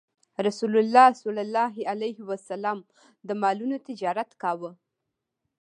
رسول الله ﷺ د مالونو تجارت کاوه.